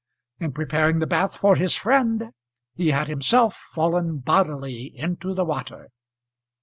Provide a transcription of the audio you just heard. In preparing the bath for his friend he had himself fallen bodily into the water.